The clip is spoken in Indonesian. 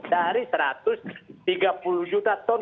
dari satu ratus tiga puluh juta ton